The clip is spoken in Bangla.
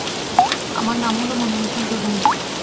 আমার নাম হল মনিরুল ইসলাম চৌধুরী।